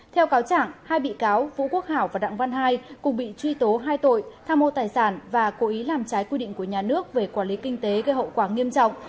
theo cáo chẳng hai bị cáo vũ quốc hảo và đặng văn hai cũng bị truy tố hai tội tham mô tài sản và cố ý làm trái quy định của nhà nước về quản lý kinh tế gây hậu quả nghiêm trọng